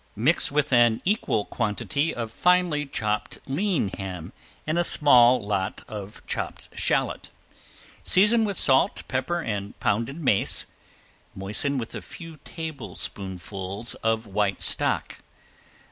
Mix with an equal quantity of finely chopped lean ham and a small lot of chopped shallot. Season with salt, pepper and pounded mace, moisten with a few tablespoonfuls of white stock.